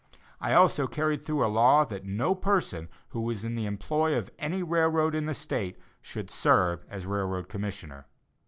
I also carried through a law that no person who was in the employ of any railroad in the State should serve as railroad commissioner.